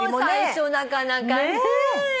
最初なかなかね。